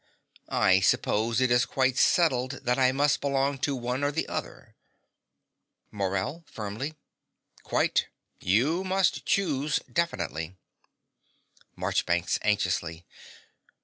I suppose it is quite settled that I must belong to one or the other. MORELL (firmly). Quite. You must choose definitely. MARCHBANKS (anxiously).